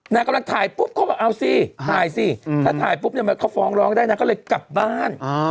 นางกำลังถ่ายปุ๊บเขาบอกเอาสิถ่ายสิถ้าถ่ายปุ๊บเนี่ยเขาฟ้องร้องได้นางก็เลยกลับบ้าน